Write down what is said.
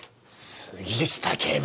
杉下警部！